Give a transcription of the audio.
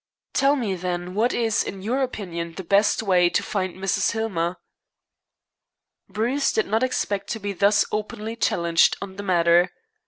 "Tell me, then, what is, in your opinion, the best way to find Mrs. Hillmer." Bruce did not expect to be thus openly challenged on the matter.